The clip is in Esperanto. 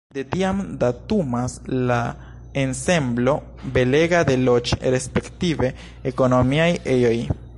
De tiam datumas la ensemblo belega de loĝ- respektive ekonomiaj ejoj.